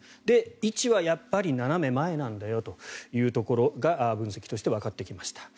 位置はやっぱり斜め前なんだよというところが分析としてわかってきました。